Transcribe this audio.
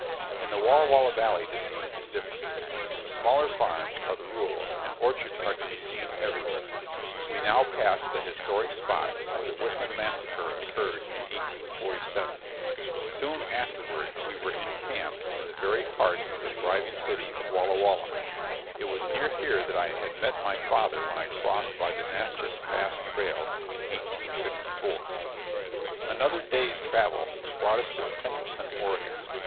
In the Walla Walla valley the scene is different. Smaller farms are the rule and orchards are to be seen everywhere. We now passed the historic spot where the Whitman massacre occurred in 1847. Soon afterward we were in camp in the very heart of the thriving city of Walla Walla. It was near here that I had met my father when I crossed by the Natchess Pass Trail in 1854. Another day's travel brought us to Pendleton, Oregon.